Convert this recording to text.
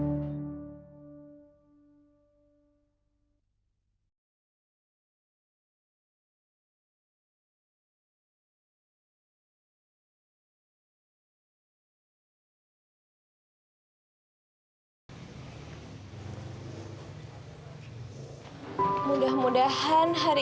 apa yang memang punya keadaan sendiri